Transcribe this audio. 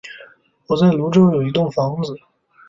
我在芦洲有一栋房子